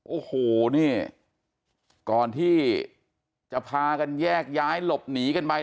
โอ้โหนี่ก่อนที่จะพากันแยกย้ายหลบหนีกันไป